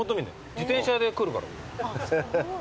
自転車で来るから。